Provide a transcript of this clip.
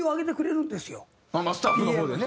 まあスタッフの方でね。